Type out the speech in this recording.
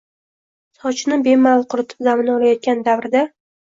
sochini bemalol quritib damini olayotgan davrda